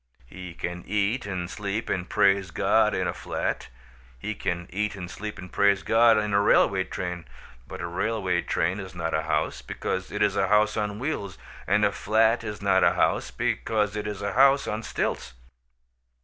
He can eat and sleep and praise God in a flat; he can eat and sleep and praise God in a railway train. But a railway train is not a house, because it is a house on wheels. And a flat is not a house, because it is a house on stilts.